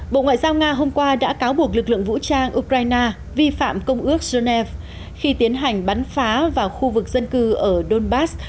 bộ ngoại giao nga hôm qua đã cáo buộc lực lượng vũ trang ukraine vi phạm công ước genève khi tiến hành bắn phá vào khu vực dân cư ở donbass